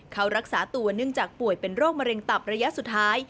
เขารักษาตัวเนื่องจากป่วยเป็นโรคมะเร็งตับระยะสุดท้าย